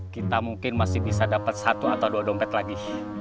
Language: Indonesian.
kita mungkin masih bisa dapat satu atau dua dompet lagi